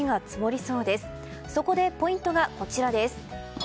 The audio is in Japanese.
そこでポイントがこちらです。